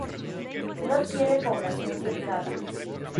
No tiene población censada.